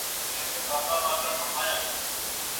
هغه څېړنه چې د علم لپاره سوې وي اغېزناکه ده.